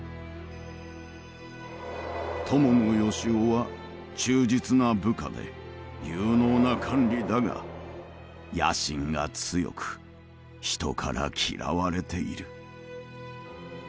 伴善男は忠実な部下で有能な官吏だが野心が強く人から嫌われている。